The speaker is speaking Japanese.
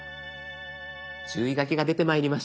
注意書きが出てまいりました。